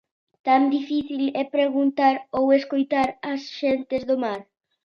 Tan difícil é preguntar ou escoitar as xentes do mar.